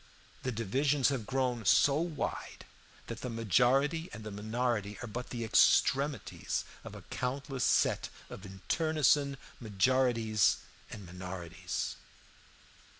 The divisions have grown so wide that the majority and the minority are but the extremities of a countless set of internecine majorities and minorities.